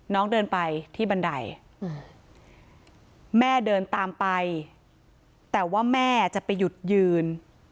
น้องเดินไปที่บันไดแม่เดินตามไปแต่ว่าแม่จะไปหยุดยืน